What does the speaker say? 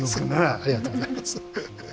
ありがとうございます。